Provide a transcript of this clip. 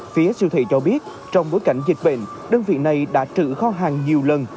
phía siêu thị cho biết trong bối cảnh dịch bệnh đơn viện này đã trự kho hàng nhiều lần